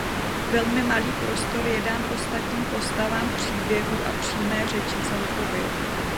Velmi malý prostor je dán ostatním postavám příběhů a přímé řeči celkově.